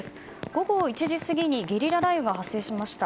午後１時過ぎにゲリラ雷雨が発生しました。